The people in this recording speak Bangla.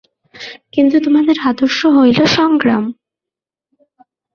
কিন্তু তোমাদের আদর্শ হইল সংগ্রাম।